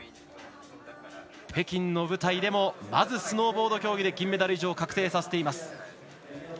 北京の舞台でもまずスノーボード競技で銀メダル以上を確定させています。